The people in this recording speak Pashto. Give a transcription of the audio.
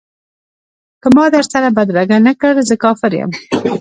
که ما در سره بدرګه نه کړ زه کافر یم.